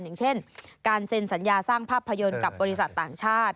อย่างเช่นการเซ็นสัญญาสร้างภาพยนตร์กับบริษัทต่างชาติ